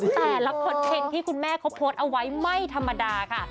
แต่ละคอนเทนต์ที่คุณแม่เขาโพสต์เอาไว้ไม่ธรรมดาค่ะ